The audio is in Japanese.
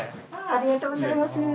ありがとうございます。